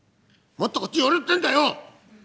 もっとこっち寄れってんだよ！」。